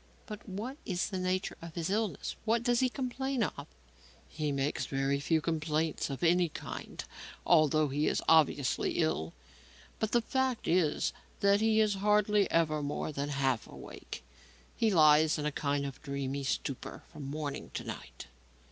"But what is the nature of his illness? What does he complain of?" "He makes very few complaints of any kind although he is obviously ill. But the fact is that he is hardly ever more than half awake. He lies in a kind of dreamy stupor from morning to night."